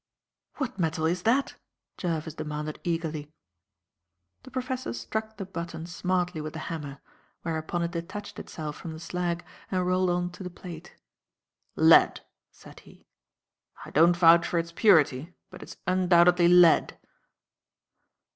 "What metal is that?" Jervis demanded eagerly. The professor struck the button smartly with the hammer, whereupon it detached itself from the slag and rolled on to the plate. "Lead," said he. "I don't vouch for its purity, but it is undoubtedly lead."